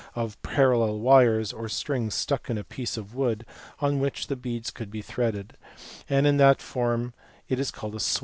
127 of parallel wires or strings stuck in a piece of wood on which beads could be threaded; and in that form is called a swan pan.